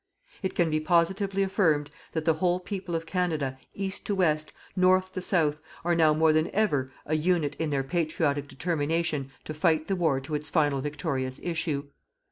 It can be positively affirmed that the whole people of Canada, east to west, north to south, are now more than ever a unit in their patriotic determination to fight the war to its final victorious issue.